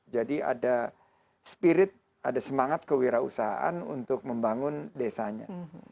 jadi ada spirit ada semangat kewirausahaan untuk membangun desanya